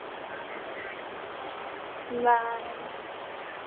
阿尔赞。